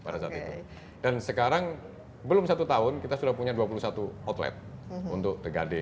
dan sekarang belum satu tahun kita sudah punya dua puluh satu outlet untuk the gade